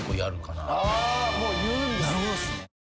なるほどっすね。